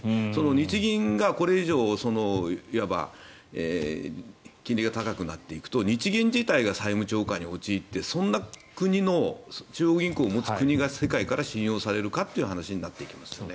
日銀がこれ以上いわば金利が高くなっていくと日銀自体が債務超過に陥ってそんな中央銀行を持つ国が世界から信用されるかという話になっていきますね。